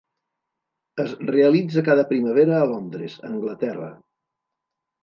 Es realitza cada primavera a Londres, Anglaterra.